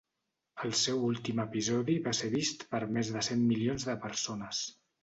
El seu últim episodi va ser vist per més de cent milions de persones.